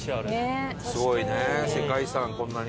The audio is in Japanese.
すごいね世界遺産こんなに。